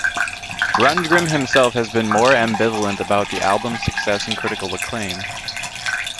Rundgren himself has been more ambivalent about the album's success and critical acclaim.